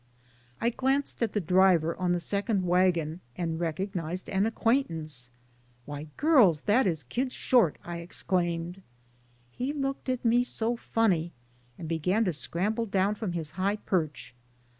I glanced at the driver on the second wagon and recognized an acquaintance. *'Why, girls, that is Kid Short," I exclaimed. He looked at me so funny, and began to scramble down from his high perch.